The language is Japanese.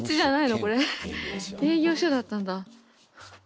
営業所だったんだ。